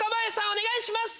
お願いします。